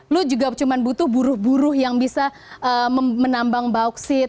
lu juga cuma butuh buruh buruh yang bisa menambang bauksit